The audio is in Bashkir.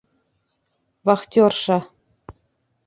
Вахтерша!